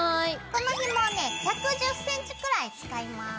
このひもをね１１０ｃｍくらい使います。